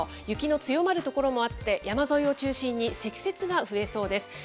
雪の強まる所もあって、山沿いを中心に積雪が増えそうです。